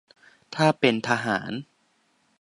ถ้าเป็นทหาร